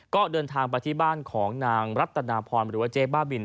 ก็เดินทางไปที่บ้านของนางรัตนาพรหรือว่าเจ๊บ้าบิน